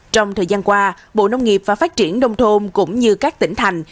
trong thời gian qua bộ nông nghiệp và phát triển đông thôn cũng như các tỉnh thành